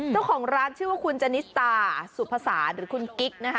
เจ้าของร้านชื่อว่าคุณจนิสตาสุภาษาหรือคุณกิ๊กนะคะ